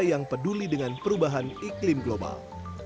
yang peduli dengan perubahan iklim global